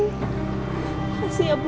terima kasih ya bu